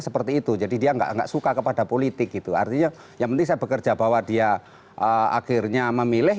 tetaplah bersama kami